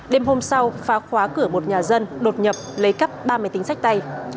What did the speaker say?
đêm hôm sau phá khóa cửa một nhà dân đột nhập lấy cắp ba máy tính sách tay